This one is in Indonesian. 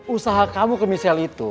usaha kamu ke misial itu